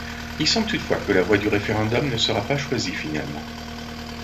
Il semble toutefois que la voie du référendum ne sera pas choisie finalement.